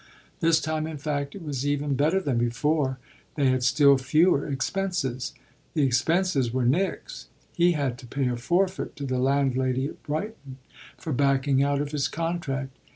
This time in fact it was even better than before they had still fewer expenses. The expenses were Nick's: he had to pay a forfeit to the landlady at Brighton for backing out of his contract.